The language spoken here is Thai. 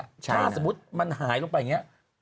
ถ้าสมมุติมันหายลงไปอย่างนี้